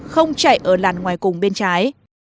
không chạy ở làn ngoài cùng bên trái